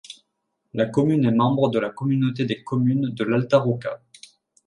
La commune est membre de la communauté de communes de l'Alta Rocca.